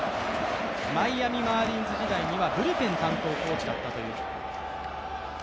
マイアミ・マーリンズ時代にはブルペン担当コーチだったという。